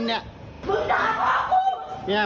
มึงด่าเพราะเขาเนี่ยมึงด่าเพราะเขาเนี่ยกูก็ได้ยินเนี่ย